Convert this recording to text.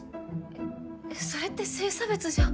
えっそれって性差別じゃ？